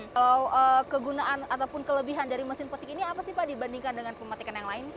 kalau kegunaan ataupun kelebihan dari mesin petik ini apa sih pak dibandingkan dengan pemetikan yang lain